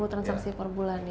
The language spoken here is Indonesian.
lima puluh transaksi per bulan ya